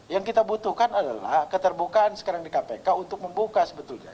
yang kita butuhkan adalah keterbukaan sekarang di kpk untuk membuka sebetulnya